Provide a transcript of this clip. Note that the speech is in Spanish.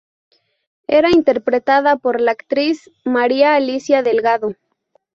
Era interpretada por la actriz Maria Alicia Delgado.